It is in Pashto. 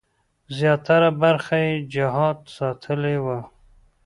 زیاتره برخه یې جهاد ساتلې وه.